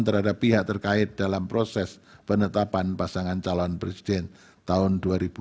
terhadap pihak terkait dalam proses penetapan pasangan calon presiden tahun dua ribu dua puluh